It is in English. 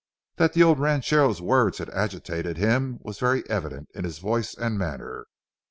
That the old ranchero's words had agitated him was very evident in his voice and manner.